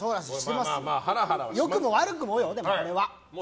良くも悪くもよ、これは。